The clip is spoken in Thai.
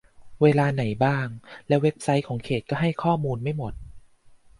เวลาไหนบ้าง และเว็บไซต์ของเขต ก็ให้ข้อมูลไม่หมด